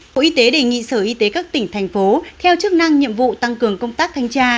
bộ y tế đề nghị sở y tế các tỉnh thành phố theo chức năng nhiệm vụ tăng cường công tác thanh tra